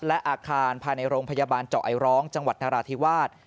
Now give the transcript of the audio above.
และอาคารภายในโรงพยาบาลเจาะไอร้องจังหวัดนราธิวาส